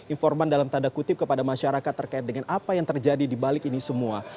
informan dalam tanda kutip kepada masyarakat terkait dengan apa yang terjadi di balik ini semua